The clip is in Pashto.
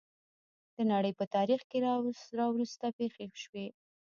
د نړۍ په تاریخ کې راوروسته پېښې وشوې.